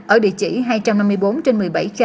ở địa chỉ hai trăm năm mươi bốn trên một mươi bảy k